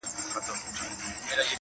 ایبنه دي نه کړمه بنګړی دي نه کړم,